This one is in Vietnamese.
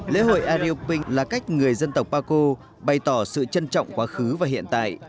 lễ hội ayrioping là cách người dân tộc bắc cô bày tỏ sự trân trọng quá khứ và hiện tại